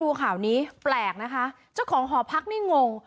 ดูข่าวนี้แปลกนะคะเจ้าของหอพักนี่งง